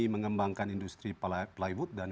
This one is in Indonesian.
mengembangkan industri plywood dan